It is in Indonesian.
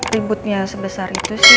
ributnya sebesar itu sih